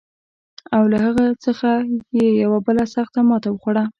او له هغه څخه یې یوه بله سخته ماته وخوړه.